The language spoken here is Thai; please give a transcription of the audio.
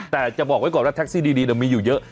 แต่จะบอกไว้ก่อนว่าแท็กซี่ดีมีอยู่เยอะ